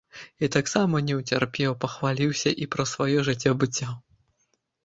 І таксама не ўцерпеў, пахваліўся і пра сваё жыццё-быццё.